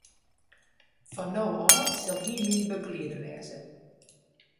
Fan no ôf sil hy myn begelieder wêze.